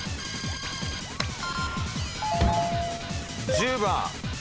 １０番。